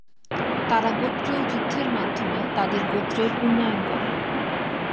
তারা গোত্রীয় যুদ্ধের মাধ্যমে তাদের গোত্রের উন্নয়ন করেন।